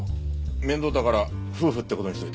面倒だから夫婦って事にしといた。